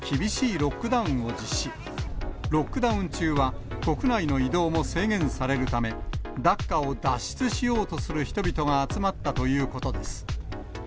ロックダウン中は国内の移動も制限されるため、ダッカを脱出しようとする人々が集まったということです。